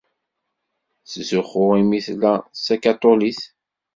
Tettzuxxu imi tella d takaṭulit.